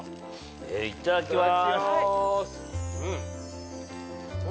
いただきます。